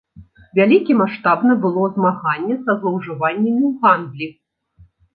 Вялікі маштаб набыло змаганне са злоўжываннямі ў гандлі.